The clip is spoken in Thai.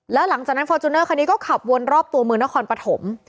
แล้วหลังจากนั้นฟอร์จูเนอร์คันนี้ก็ขับวนรอบตัวเมืองนครปฐม